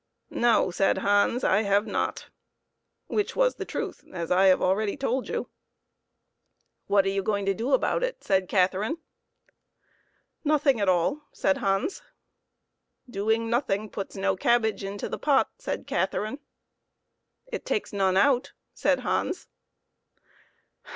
" No," said Hans, " I have not," which was the truth, as I have already told you. " What are you going to do about it ?" said Catherine. " Nothing at all," said Hans. " Doing nothing puts no cabbage into the pot," said Catherine. " It takes none out," said Hans.